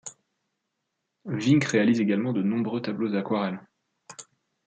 Vink réalise également de nombreux tableaux et aquarelles.